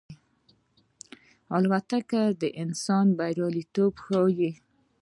الوتکه د انسان بریالیتوب ښيي.